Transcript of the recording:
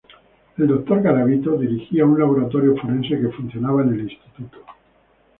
El Dr. Garavito dirigía un laboratorio forense que funcionaba en el Instituto.